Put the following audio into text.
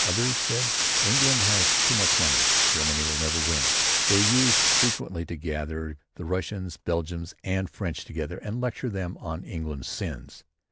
Others said: "England has too much money. Germany will never win." They used frequently to gather the Russians, Belgians and French together and lecture them on England's sins.